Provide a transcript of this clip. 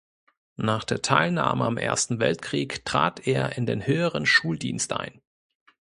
Nach der Teilnahme am Ersten Weltkrieg trat er in den höheren Schuldienst ein.